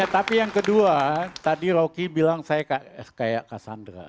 tapi yang kedua tadi rocky bilang saya kayak cassandra